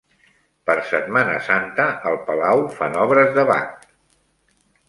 Per Setmana Santa, al Palau fan obres de Bach.